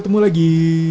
kita ketemu lagi